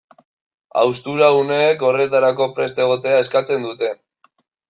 Haustura uneek horretarako prest egotea eskatzen dute.